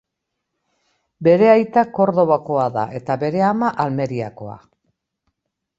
Bere aita Kordobakoa da eta bere ama Almeriako.